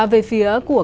về phía của